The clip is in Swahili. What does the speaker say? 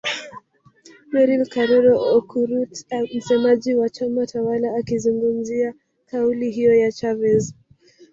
Mary Karoro Okurut msemaji wa chama tawala akizungumzia kauli hiyo ya Chavez